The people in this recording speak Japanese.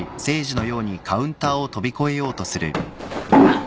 あっ！